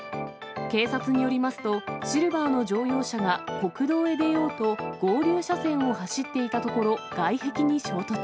警察によりますと、シルバーの乗用車が国道へ出ようと合流車線を走っていたところ、外壁に衝突。